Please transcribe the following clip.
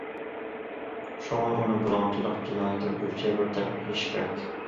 شۇڭا ئۇنى بۇلاڭچىلىق جىنايىتى بويىچە بىر تەرەپ قىلىش كېرەك.